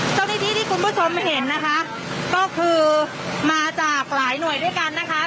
เจ้าหน้าที่ที่คุณผู้ชมเห็นนะคะก็คือมาจากหลายหน่วยด้วยกันนะคะ